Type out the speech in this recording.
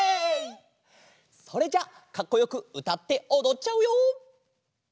それじゃあかっこよくうたっておどっちゃうよ！